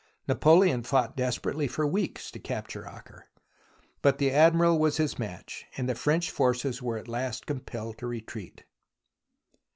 Napoleon fought desperately for weeks to capture Acre, but the Admiral was his match, and the French forces were at last compelled to retreat.